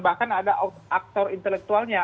bahkan ada aktor intelektualnya